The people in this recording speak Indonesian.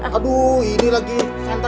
aduh ini lagi santernya mati